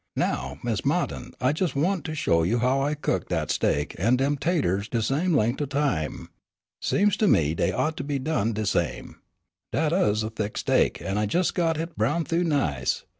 Now, Miss Ma'tin, I jes' want to show you I cooked dat steak an' dem 'taters de same lengt' o' time. Seems to me dey ought to be done de same. Dat uz a thick steak, an' I jes' got hit browned thoo nice.